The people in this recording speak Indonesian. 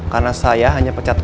karena saya hanya pecatkan